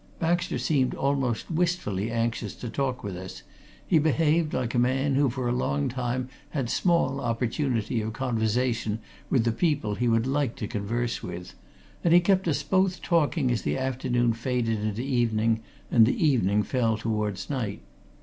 Baxter seemed almost wistfully anxiously to talk with us he behaved like a man who for a long time had small opportunity of conversation with the people he would like to converse with, and he kept us both talking as the afternoon faded into evening and the evening fell towards night.